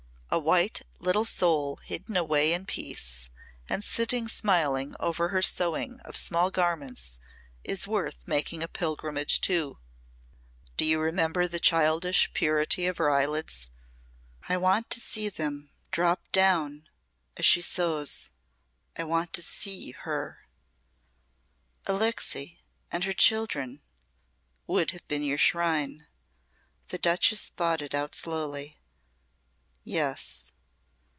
A white little soul hidden away in peace, and sitting smiling over her sewing of small garments is worth making a pilgrimage to. Do you remember the childish purity of her eyelids? I want to see them dropped down as she sews. I want to see her." "Alixe and her children would have been your shrine." The Duchess thought it out slowly. "Yes."